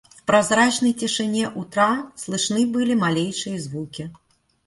В прозрачной тишине утра слышны были малейшие звуки.